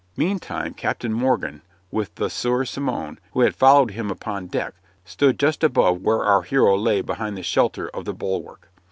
Meantime Captain Morgan, with the Sieur Simon, who had followed him upon deck, stood just above where our hero lay behind the shelter of the bulwark.